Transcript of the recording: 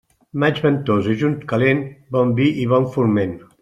Maig ventós i juny calent, bon vi i bon forment.